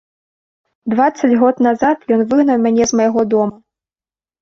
Дваццаць год назад ён выгнаў мяне з майго дома.